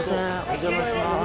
お邪魔します。